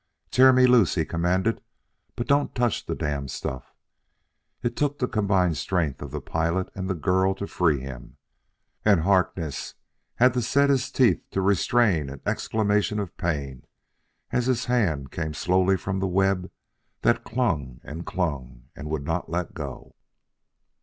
"Tear me loose!" he commanded, "but don't touch the damned stuff!" It took the combined strength of the pilot and the girl to free him, and Harkness had to set his teeth to restrain an exclamation of pain as his hand came slowly from the web that clung and clung and would not let go.